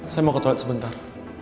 saya mau ke toilet sebentar